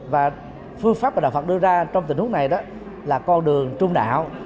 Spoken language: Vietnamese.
và phương pháp mà đạo phật đưa ra trong tình huống này là con đường trung đạo